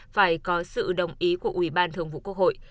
phải có sự đồng ý của ủy ban thường vụ quốc hội